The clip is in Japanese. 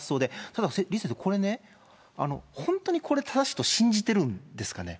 ただ李先生、これね、本当にこれ、正しいと信じてるんですかね。